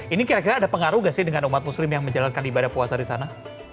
ini kira kira ada pengaruh gak sih dengan umat muslim yang menjalankan ibadah puasa di sana